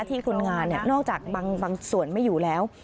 ที่คนงานเนี่ยนอกจากบางบางส่วนไม่อยู่แล้ว